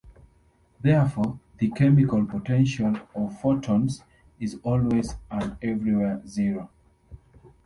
Therefore, the chemical potential of photons is always and everywhere zero.